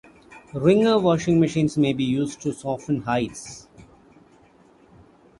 Wringer washing machines may be used to soften hides.